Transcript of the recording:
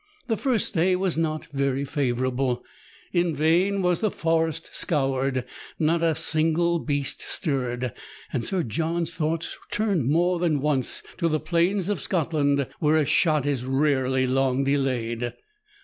The first day was not very favourable. In vain was the forest scoured ; not a single beast stirred, and Sir John's thoughts turned more than once to the plains of Scotland, where a shot is rarely long delayed.